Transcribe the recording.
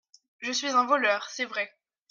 Je suis un voleur, c'est vrai.